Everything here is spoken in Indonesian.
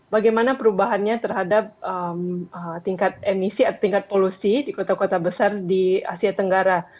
bagaimana perubahannya terhadap tingkat emisi atau tingkat polusi di kota kota besar di asia tenggara